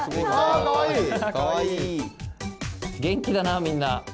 元気だなみんな。